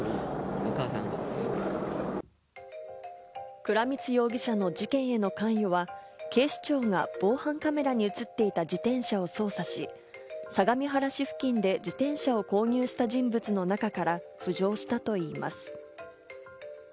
倉光容疑者の事件への関与は、警視庁が防犯カメラに映っていた自転車を捜査し、相模原市付近で自転車を購入した人物の中から浮上したといいます。